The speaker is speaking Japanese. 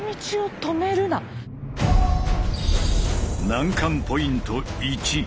難関ポイント１。